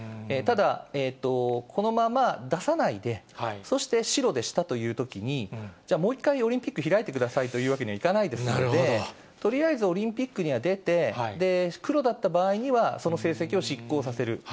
ただ、このまま出さないで、そしてシロでしたというときに、じゃあ、もう一回、オリンピック開いてくださいというわけにはいかないですので、とりあえずオリンピックには出て、クロだった場合には、その成績を失効させる。